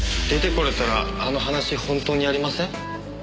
出てこれたらあの話本当にやりません？